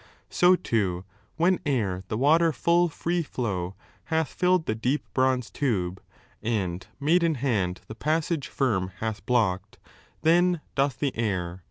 So, too, when e'er the waters full free flow Hath filled the deep bronze tube, and maiden hand The passage firm hath blocked, then doth the air.